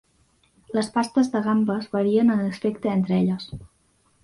Les pastes de gambes varien en aspecte entre elles.